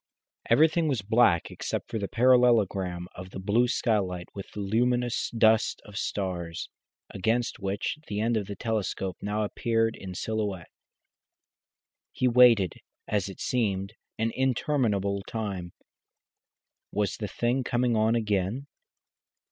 Everything was black except the parallelogram of the blue skylight with the luminous dust of stars, against which the end of the telescope now appeared in silhouette. He waited, as it seemed, an interminable time. Was the thing coming on again?